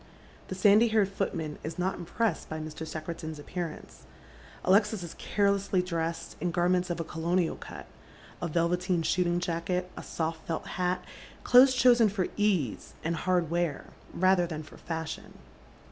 The sandy haired footman is not impressed by Mr. Secretan's appearance. Alexis is cai'elessly drcased in garments of a colonial cut, a velveteen shooting ja*cket, a isoft felt hat, clothes chosen for ease and hard wear rather than for fashion.